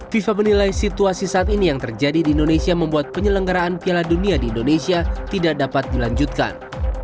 fifa menilai situasi saat ini yang terjadi di indonesia membuat penyelenggaraan piala dunia di indonesia tidak dapat dilanjutkan